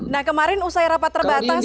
jadi kemarin usai rapat terbatas